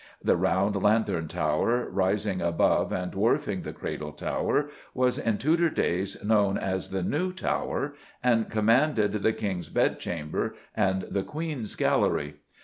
The round Lanthorn Tower rising above and dwarfing the Cradle Tower was in Tudor days known as the New Tower, and commanded the King's Bedchamber, and the Queen's Gallery.